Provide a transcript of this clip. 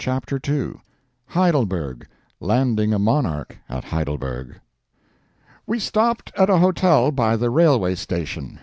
CHAPTER II Heidelberg [Landing a Monarch at Heidelberg] We stopped at a hotel by the railway station.